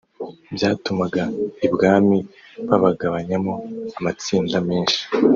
byatumaga ibwami babagabanyamo amatsinda menshi